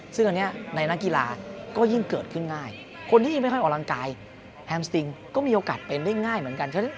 ซึ่งอันนี้ในนักกีฬาก็ยิ่งเกิดขึ้นง่ายคนที่ยิ่งไม่ค่อยออกกำลังกายแฮมสติงก็มีโอกาสเป็นได้ง่ายเหมือนกัน